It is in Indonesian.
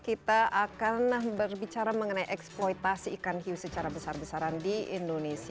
kita akan berbicara mengenai eksploitasi ikan hiu secara besar besaran di indonesia